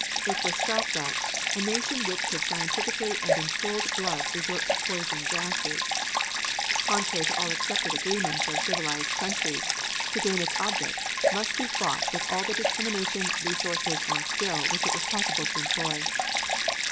It was felt that, a nation which could scientifically and in cold blood resort to poison gases contrary to all accepted agreements of civilized countries to gain its object must be fought with all the determination, resources and skill which it was possible to employ.